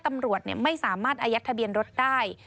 ตำรวจไม่สามารถอายัดทะเบียนรถได้